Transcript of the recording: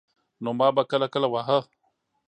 نو ما به کله کله واهه.